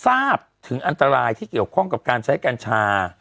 ทราบถึงอันตรายที่เกี่ยวข้องกับการใช้กัญชา